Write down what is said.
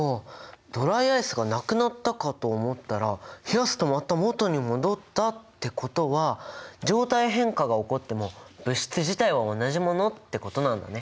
ドライアイスがなくなったかと思ったら冷やすとまたもとに戻ったってことは「状態変化が起こっても物質自体は同じもの」ってことなんだね。